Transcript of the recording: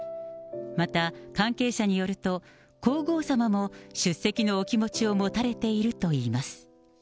また、関係者によると、皇后さまも出席のお気持ちを持たれているといいます。